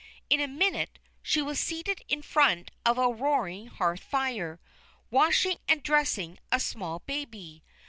In a minute she was seated in front of a roaring hearth fire, washing and dressing a small baby.